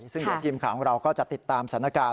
ซึ่งเดี๋ยวทีมข่าวของเราก็จะติดตามสถานการณ์